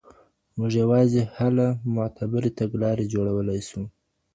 موږ یوازې هله معتبرې تګلارې جوړولی سو.